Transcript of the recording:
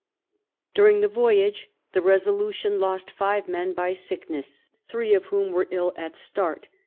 During the voyage the Resolution lost five men by sick ness three of whom were ill at start.